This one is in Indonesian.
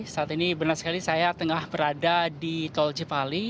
saat ini benar sekali saya tengah berada di tol cipali